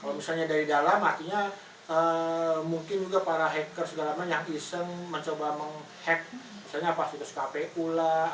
kalau misalnya dari dalam artinya mungkin juga para hacker segala macam yang iseng mencoba menghack misalnya apa situs kpu lah